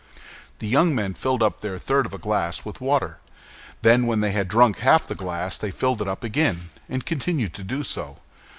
The young men filled up their third of a glass with water; then, when they had drunk half the glass, they filled it up again, and continued to do so.